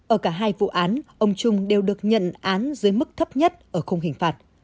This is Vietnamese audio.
ở cả hai vụ án ông trung đều được nhận án dưới mức thấp nhất ở khung hình phạt